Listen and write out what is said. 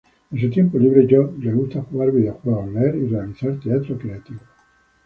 En su tiempo libre, York le gusta jugar videojuegos, leer y realizar teatro creativo.